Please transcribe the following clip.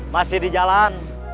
masih di jalan